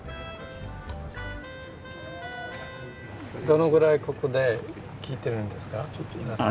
どのぐらいここで来てるんですか？